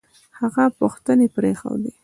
هغه پوښتنې پرېښودې